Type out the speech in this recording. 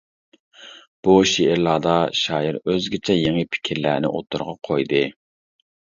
بۇ شېئىرلاردا شائىر ئۆزگىچە يېڭى پىكىرلەرنى ئوتتۇرىغا قويدى.